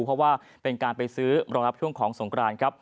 เพราะว่าเป็นการไปซื้อรองรับช่วงของสงครานครับ